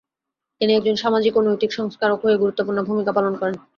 তিনি একজন সামাজিক ও নৈতিক সংস্কারক হয়ে গুরুত্বপূর্ণ ভূমিকা পালন করেন।